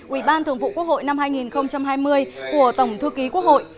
ubthqh năm hai nghìn hai mươi của tổng thư ký quốc hội